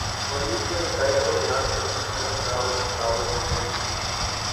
police کے مسائل کو بیان کرتی فلم دال چاول ریلیز